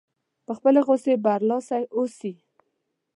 په خپلې غوسې برلاسی اوسي.